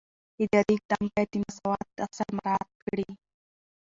اداري اقدام باید د مساوات اصل مراعات کړي.